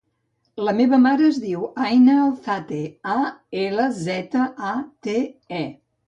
La meva mare es diu Aina Alzate: a, ela, zeta, a, te, e.